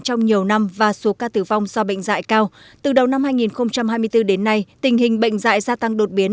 trong nhiều năm và số ca tử vong do bệnh dạy cao từ đầu năm hai nghìn hai mươi bốn đến nay tình hình bệnh dạy gia tăng đột biến